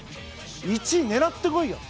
１位狙って来いよ。